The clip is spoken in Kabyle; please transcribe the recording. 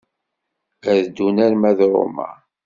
Ad ddun arma d Roma.